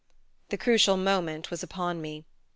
The crucial moment was upon me.